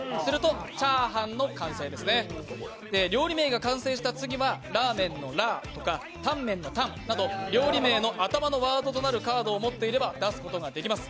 「チャーハン」の完成ですね、料理名が完成した次はラーメンのラーとかタンメンのタンなど料理名の頭のワードとなるカードを持っていれば出すことができます。